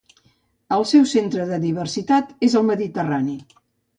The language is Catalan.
El seu centre de diversitat és al Mediterrani.